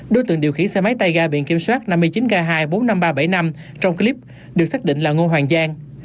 đối tượng điều khiển xe máy tay ga biển kiểm soát năm mươi chín k hai bốn mươi năm nghìn ba trăm bảy mươi năm trong clip được xác định là ngô hoàng giang